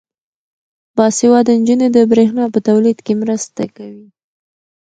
باسواده نجونې د برښنا په تولید کې مرسته کوي.